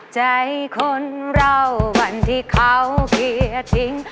ใจคนเราวันที่เขาเคลียร์ทิ้ง